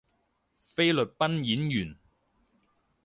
菲律賓演員